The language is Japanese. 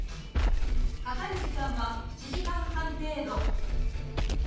かかる時間は１時間半程度